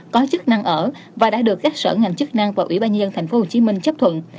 có chức năng ở và đã được các sở ngành chức năng và ủy ban nhân thành phố hồ chí minh chấp thuận